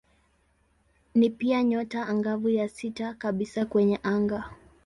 Ni pia nyota angavu ya sita kabisa kwenye anga.